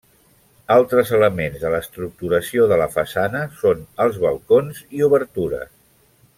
Altres elements de l'estructuració de la façana són els balcons i obertures.